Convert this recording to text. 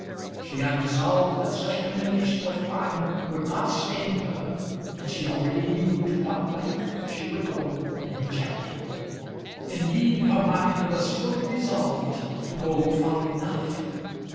She had resolved that such communication with crime would not stain her, and she already knew to what length she would go in her charity. Indeed, her mind was fully resolved to go far enough.